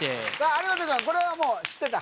張本君これはもう知ってた？